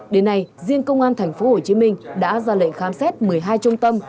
đến nay riêng công an tp hcm đã ra lệnh khám xét một mươi hai trung tâm